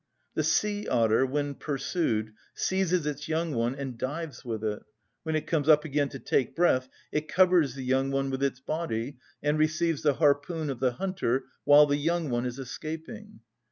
The sea‐otter, when pursued, seizes its young one and dives with it; when it comes up again to take breath, it covers the young one with its body, and receives the harpoon of the hunter while the young one is escaping.